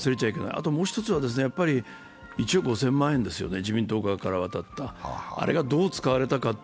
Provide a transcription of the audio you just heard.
あともう一つは１億５０００万円ですよね、自民党側から渡った、あれがどう使われたか。